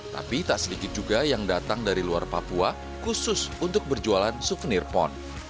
tapi tak sedikit juga yang datang dari luar papua khusus untuk berjualan suvenir pon